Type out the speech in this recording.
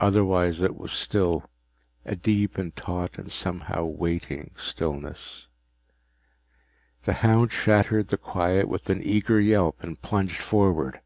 Otherwise it was still, a deep and taut and somehow waiting stillness. The hound shattered the quiet with an eager yelp and plunged forward.